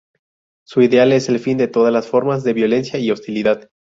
Su ideal es el fin de todas las formas de violencia y hostilidad.